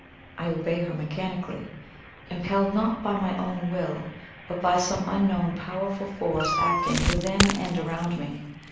I obey her mechanically, impelled not by my own will, but by some unknown powerful force acting within and around me.